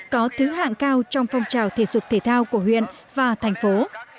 có thứ hạng cao trong phong trào thể dục thể thao của huyện và thành phố